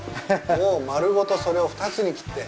もう丸ごとそれを２つに切って！